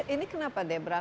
ini kenapa debra